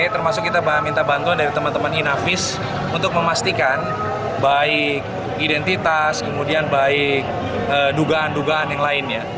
termasuk kita minta bantuan dari teman teman inavis untuk memastikan baik identitas kemudian baik dugaan dugaan yang lainnya